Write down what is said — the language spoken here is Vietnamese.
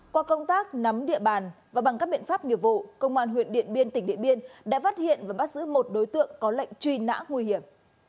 qua công tác nắm địa bàn và bằng các biện pháp nghiệp vụ công an huyện điện biên tỉnh điện biên đã phát hiện và bắt giữ một đối tượng có lệnh truy nã nguy hiểm